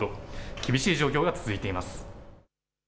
厳しい状況が続いています。